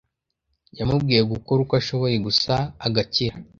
yamubwiye gukora uko ashoboye gusa agakira